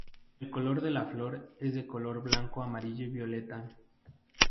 El color de la flor es de color blanco, amarillo o violeta.